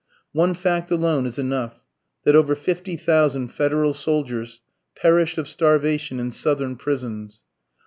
One fact alone is enough; that over fifty thousand Federal soldiers perished of starvation in Southern prisons.